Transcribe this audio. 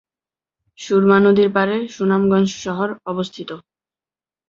সুরমা নদীর পাড়ে সুনামগঞ্জ শহর অবস্থিত।